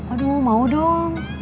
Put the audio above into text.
aduh mau dong